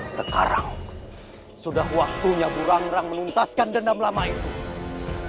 sekarang sudah waktunya burang berang menuntaskan dendam lama itu